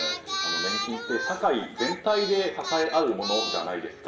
年金って社会全体で支え合うものじゃないですか。